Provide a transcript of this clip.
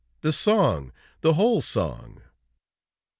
The song, the whole song!"